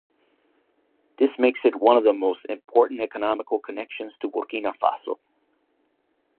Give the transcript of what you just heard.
This makes it to one of the most important economical connections to Burkina Faso.